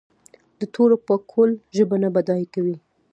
د تورو پاکول ژبه نه بډای کوي.